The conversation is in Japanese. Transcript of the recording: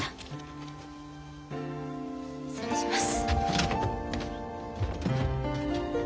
失礼します。